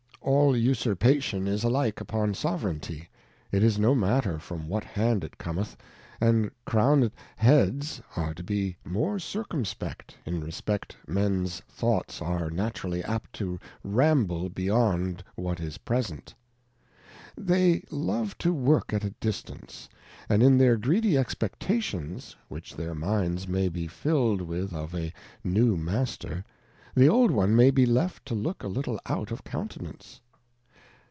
All Usurpation is alike upon Soveraignty, it is no matter from what hand it cometh, and Crowned Heads are to be the more Circumspect, in respect Mens thoughts are naturally apt to ramble beyond what is present ; they love to work at a distance, and in their greedy Expectations which their minds may be fiU'd with of a new Master, the old one may be left to look a little out of Countenance.